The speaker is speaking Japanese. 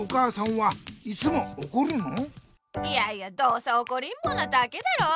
いやいやどうせおこりんぼなだけだろ。